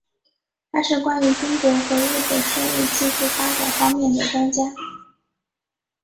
他是关于中国和日本生物技术发展方面的专家。